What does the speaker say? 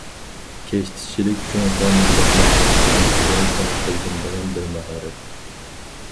كەشتىچىلىك جۇڭخۇا مىللەتلىرىنىڭ تۇرمۇشىدا كەڭ قوللىنىلىدىغان بىر ماھارەت.